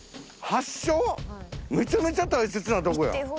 めちゃめちゃ大切なとこや。